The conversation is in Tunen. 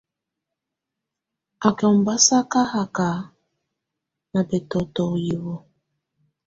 Á kɛ̀ ɔmbasaka haka nà bɛtɔ̀tɔ̀ ù hiwǝ́.